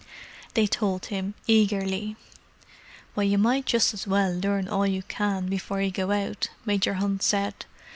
They told him, eagerly. "Well, you might just as well learn all you can before you go out," Major Hunt said.